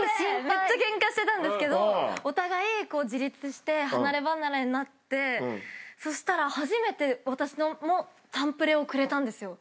めっちゃケンカしてたんですけどお互い自立して離ればなれになってそしたら初めて私も誕プレをくれたんですよ。